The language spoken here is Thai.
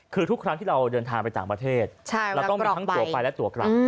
คือทุกครั้งที่เราเดินทางไปต่างประเทศเราต้องมีทั้งตัวไปและตัวกลับ